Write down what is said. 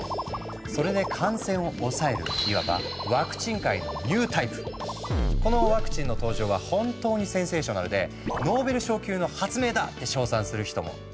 それで感染を抑えるいわばこのワクチンの登場は本当にセンセーショナルで「ノーベル賞級の発明だ！」って賞賛する人も。